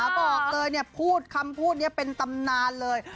บอกเลยพูดคำพูดนี้เป็นตำนานเลย